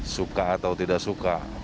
suka atau tidak suka